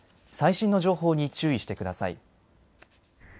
最新の情報に注意してください。